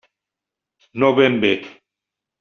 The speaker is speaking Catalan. No ben bé.